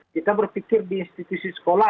kita berpikir di institusi sekolah